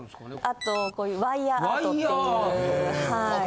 あとこういうワイヤーアートっていう。